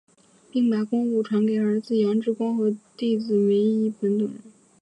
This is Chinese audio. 并把功夫传给儿子杨志光和弟子梅益本等人。